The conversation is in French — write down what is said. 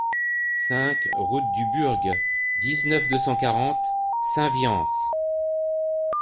cinq route du Burg, dix-neuf, deux cent quarante, Saint-Viance